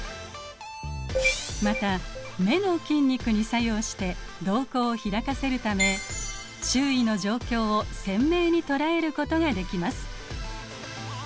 また眼の筋肉に作用して瞳孔を開かせるため周囲の状況を鮮明に捉えることができます。